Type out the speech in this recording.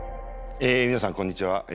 え皆さんこんにちは。